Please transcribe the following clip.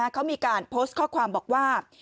เขามีการโพสต์ข้อความบอกว่า